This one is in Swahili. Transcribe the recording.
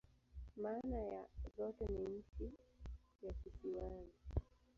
Maana ya zote ni "nchi ya kisiwani.